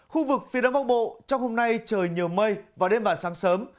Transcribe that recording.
khu vực phía tây bắc bộ trong hôm nay trời nhiều mây và đêm và sáng sớm